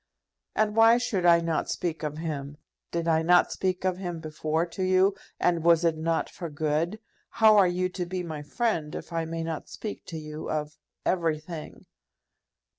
"And why should I not speak of him? Did I not speak of him before to you, and was it not for good? How are you to be my friend, if I may not speak to you of everything?"